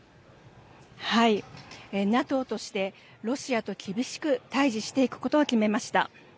ＮＡＴＯとしてロシアと厳しく対じしていくことを決めました。